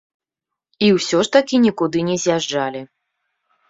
І ўсё ж такі нікуды не з'язджалі.